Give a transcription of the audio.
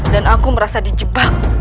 dan aku merasa dijebak